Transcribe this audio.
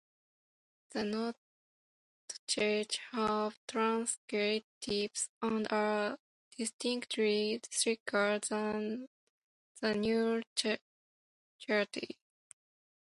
The notochaetae have truncate tips and are distinctly thicker than the neurochaetae.